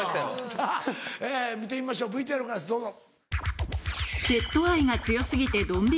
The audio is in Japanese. さぁ見てみましょうＶＴＲからですどうぞ。